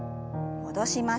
戻します。